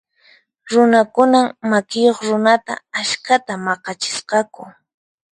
Runakunan makiyuq runata askhata maq'achisqaku.